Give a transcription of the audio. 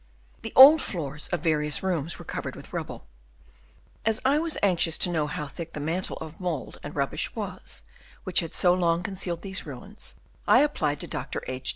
The old floors of various rooms were covered with rubble. As I was anxious to know how thick the mantle of mould and rubbish was, which had so long concealed these ruins, I applied to Dr. H.